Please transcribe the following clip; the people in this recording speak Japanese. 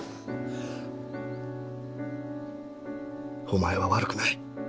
お前は悪くない。